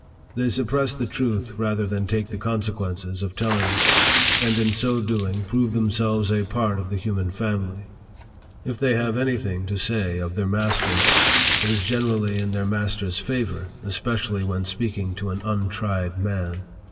They suppress the truth rather than take the consequences of telling it, and in so doing prove themselves a part of the human family. If they have any thing to say of their mas ters, it is generally in their masters' favor, especially when speaking to an untried man.